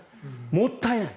もったいない。